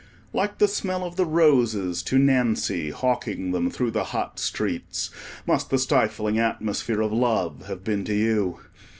Like the smell of the roses to Nancy, hawking them through the hot streets, must the stifling atmosphere of love have been to you.